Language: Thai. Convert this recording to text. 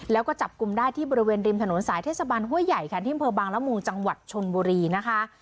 แล้วก็จับกลุ่มได้ที่บริเวณริมถนนสายเทศบาลห้วยใหญ่ค่ะที่อำเภอบางละมุงจังหวัดชนบุรีนะคะ